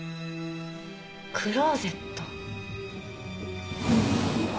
クローゼット。